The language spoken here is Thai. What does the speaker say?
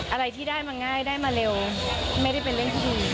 อะไรที่ได้มาง่ายได้มาเร็วไม่ได้เป็นเรื่องที่ดี